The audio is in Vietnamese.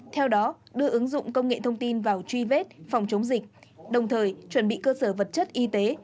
theo đó đưa ứng dụng công nghệ thông tin vào truy vết phòng chống dịch đồng thời chuẩn bị cơ sở vật chất y tế